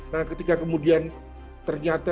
nah ketika kemudian ternyata